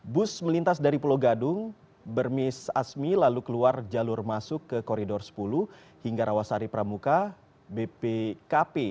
bus melintas dari pulau gadung bermis asmi lalu keluar jalur masuk ke koridor sepuluh hingga rawasari pramuka bpkp